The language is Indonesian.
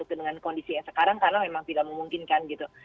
dengan kondisi yang sekarang karena memang tidak memungkinkan gitu